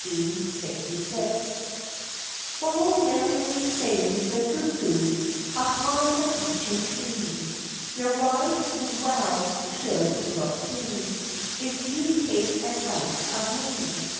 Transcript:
] FULL merrily sings the cuckoo Upon the beechen tree; Your wives you well should look to, If you take advice of me.